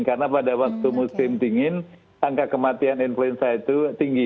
karena pada waktu musim dingin angka kematian influenza itu tinggi